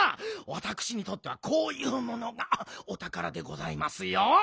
わたくしにとってはこういうものがおたからでございますよ。